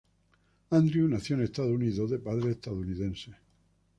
Andrew nació en Estados Unidos de padres estadounidenses.